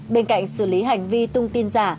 bên cạnh xử lý hành vi thông tin giả